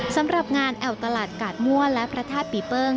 สำหรับงานแอวตลาดกาดมั่วและพระธาตุปีเปิ้ง